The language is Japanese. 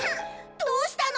どうしたの？